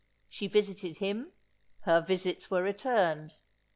She visited him; her visits were returned.